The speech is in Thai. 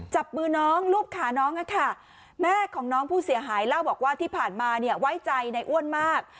จับมือน้องลูบขาน้องแม่ของน้องผู้เสียหายเล่าบอกว่าที่ผ่านมาเนี่ยไว้ใจในอ้วนมาก